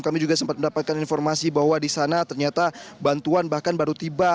kami juga sempat mendapatkan informasi bahwa di sana ternyata bantuan bahkan baru tiba